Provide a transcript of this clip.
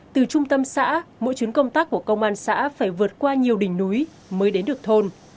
từ trung tâm xã mỗi chuyến công tác của công an xã phải vượt qua nhiều đỉnh núi mới đến được thôn